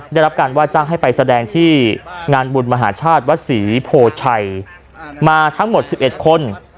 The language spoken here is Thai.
ได้รับการว่าจ้างให้ไปแสดงที่งานบุญมหาชาติวัดศรีโพชัยมาทั้งหมด๑๑คน